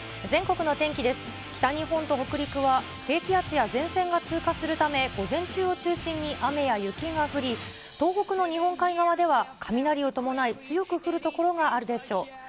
北日本と北陸は、低気圧や前線が通過するため、午前中を中心に雨や雪が降り、東北の日本海側では雷を伴い強く降る所があるでしょう。